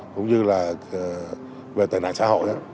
cũng như là về tài nạn xã hội